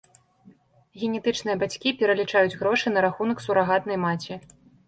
Генетычныя бацькі пералічаюць грошы на рахунак сурагатнай маці.